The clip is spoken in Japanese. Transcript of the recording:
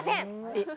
えっ？